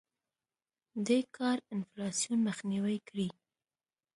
دې کار انفلاسیون مخنیوی کړی.